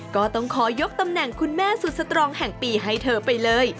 ก็ต้องขอยกตำแหน่งคุณแม่สุดสตรองแห่งปีให้เธอไปเลย